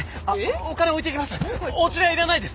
お金置いていきます。